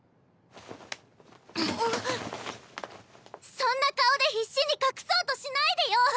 そんな顔で必死に隠そうとしないでよ！